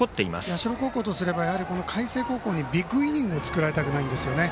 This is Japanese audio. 社高校とすれば海星高校にビッグイニングを作られたくないんですね。